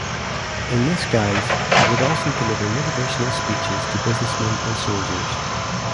In this guise he would also deliver motivational speeches to businessmen and soldiers.